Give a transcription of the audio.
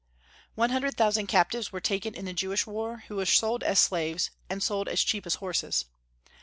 One hundred thousand captives were taken in the Jewish war, who were sold as slaves, and sold as cheap as horses.